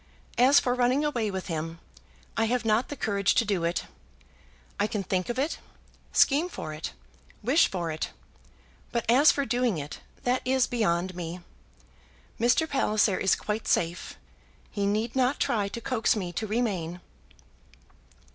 As for running away with him, I have not the courage to do it. I can think of it, scheme for it, wish for it; but as for doing it, that is beyond me. Mr. Palliser is quite safe. He need not try to coax me to remain."